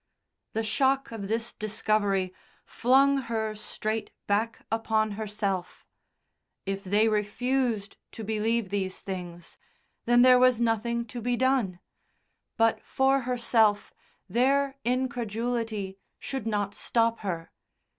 The shock of this discovery flung her straight back upon herself; if they refused to believe these things, then there was nothing to be done. But for herself their incredulity should not stop her.